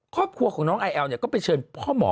ครอบครัวของน้องไอแอลเนี่ยก็ไปเชิญพ่อหมอ